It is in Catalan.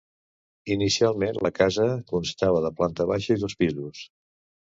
Inicialment la casa constava de planta baixa i dos pisos.